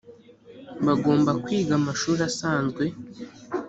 bagomba kwiga amashuri asanzwe